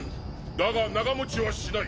だが長もちはしない。